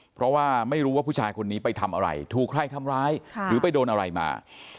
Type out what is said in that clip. เพราะว่าไม่รู้ว่าผู้ชายคนนี้ไปทำอะไรถูกใครทำร้ายหรือไปโดนอะไรมา